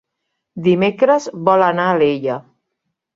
Dimecres vol anar a Alella.